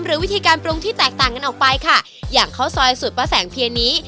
หรือวิธีการปรุงที่แตกต่างกันออกไปค่ะอย่างข้าวซอยสูตรป้าแสงเพียนนี้